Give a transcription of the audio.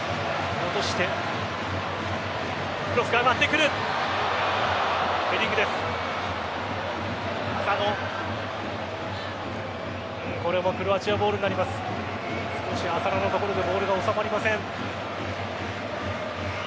少し浅野のところでボールが収まりません。